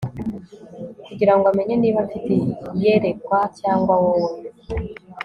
kugirango amenye niba mfite iyerekwa cyangwa wowe